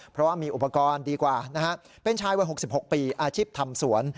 เพราะว่ามีอุปกรณ์ดีกว่านะฮะเป็นชายวัย๖๖ปีอาชีพทำสวน